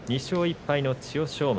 ２勝１敗の千代翔